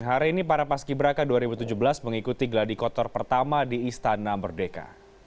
hari ini para paski beraka dua ribu tujuh belas mengikuti gladi kotor pertama di istana merdeka